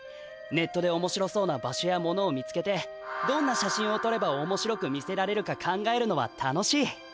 ネットでおもしろそうな場所やものを見つけてどんな写真をとればおもしろく見せられるか考えるのは楽しい。